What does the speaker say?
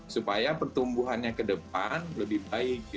supaya pertumbuhannya ke depan lebih baik